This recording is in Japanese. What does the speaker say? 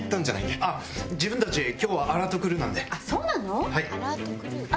そうなの？